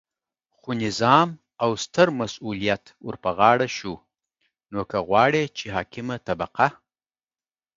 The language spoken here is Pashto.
خو نظام او ستر مسؤلیت ورپه غاړه شو، نو که غواړئ چې حاکمه طبقه